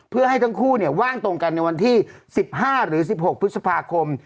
เพื่อให้ทั้งคู่ว่างตรงกันในวันที่๑๕หรือ๑๖พฤษภาคม